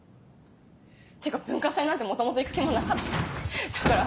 ってか文化祭なんて元々行く気もなかったしだから。